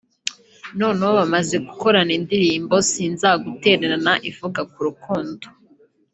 noneho bamaze no gukorana indirimbo “Sinzagutererana” ivuga ku rukundo